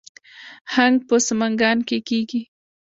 هنګ په سمنګان کې کیږي